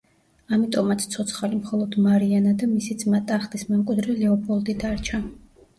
ამიტომაც ცოცხალი მხოლოდ მარიანა და მისი ძმა, ტახტის მემკვიდრე ლეოპოლდი დარჩა.